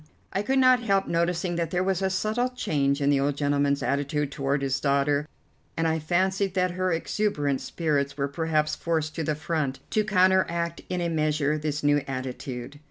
I could not help noticing that there was a subtle change in the old gentleman's attitude toward his daughter, and I fancied that her exuberant spirits were perhaps forced to the front, to counteract in a measure this new attitude.